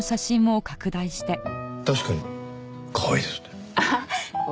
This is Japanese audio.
確かにかわいいですね。